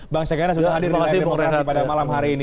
bang segara sudah hadir di layar demokrasi pada malam hari ini